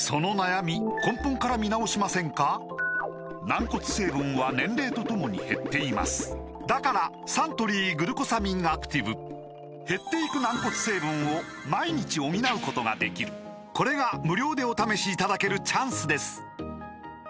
軟骨成分は年齢とともに減っていますだからサントリー「グルコサミンアクティブ」減っていく軟骨成分を毎日補うことができるこれが無料でお試しいただけるチャンスです